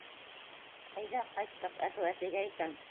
Әйҙә, ҡайттыҡ, әтеү, әсәйгә әйтәм.